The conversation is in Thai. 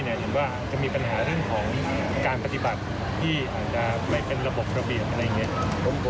หรือว่าจะมีปัญหาเรื่องของการปฏิบัติที่อาจจะไม่เป็นระบบระเบียบอะไรอย่างนี้